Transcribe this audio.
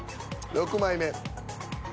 ６枚目。